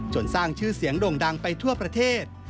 สร้างชื่อเสียงโด่งดังไปทั่วประเทศ